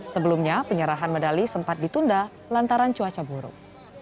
sebelumnya penyerahan medali sempat ditunda lantaran cuaca buruk